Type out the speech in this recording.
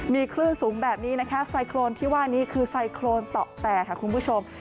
มีคลื่นสูงแบบนี้นะคะไซโครนที่ว่านี้คือไซโครนเตาะแตกค่ะคุณผู้ชม